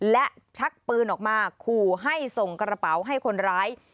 และชักปืนออกมาขู่ให้ส่งกระเป๋าให้คนร้าย